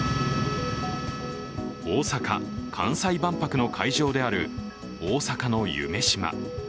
大阪・関西万博の会場である大阪の夢洲。